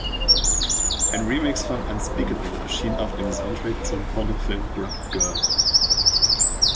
Ein Remix von „Unspeakable“ erschien auf dem Soundtrack zum Pornofilm „Grub Girl“.